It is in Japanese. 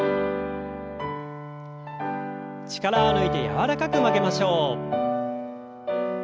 力を抜いて柔らかく曲げましょう。